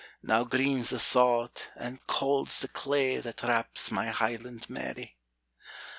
Now green's the sod, and cauld's the clay, That wraps my Highland Mary!